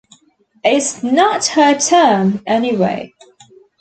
It's not her term, anyway.